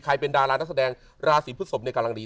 มีใครเป็นดารานักแสดงราศีพุทธศพฤมศ์ในกาลังรี